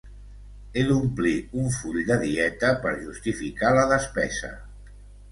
He d'omplir un full de dieta per justificar la despesa.